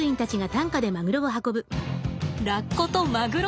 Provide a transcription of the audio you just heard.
ラッコとマグロ。